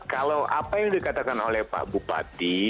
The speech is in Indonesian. kalau apa yang dikatakan oleh pak bupati